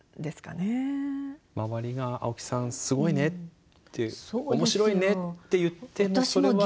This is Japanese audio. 周りが「青木さんすごいね」って「面白いね」って言ってもそれは。